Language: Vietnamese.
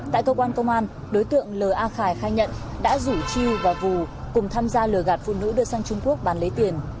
tại cơ quan công an đối tượng l a khải khai nhận đã rủ chiêu và vù cùng tham gia lừa gạt phụ nữ đưa sang trung quốc bán lấy tiền